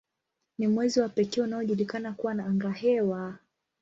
Ni mwezi wa pekee unaojulikana kuwa na angahewa.